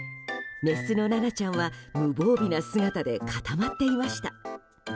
メスの、ななちゃんは無防備な姿で固まっていました。